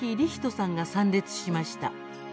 さんが参列しました。